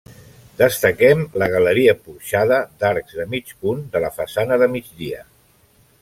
Destaquem la galeria porxada d'arcs de mig punt de la façana de migdia.